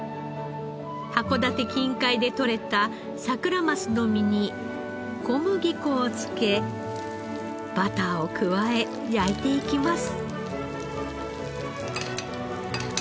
函館近海で取れたサクラマスの身に小麦粉をつけバターを加え焼いていきます。